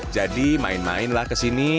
jadi main mainlah kesini